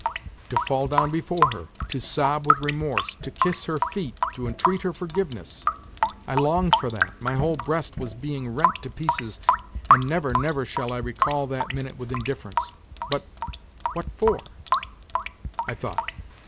To fall down before her, to sob with remorse, to kiss her feet, to entreat her forgiveness ! I longed for that, my whole breast was being rent to pieces, and never, never shall I recall that minute with indifference. But what for? I thought.